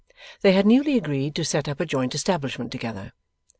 They had newly agreed to set up a joint establishment together.